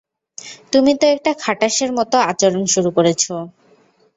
তুমি তো একটা খাটাশের মতো আচরণ শুরু করেছ।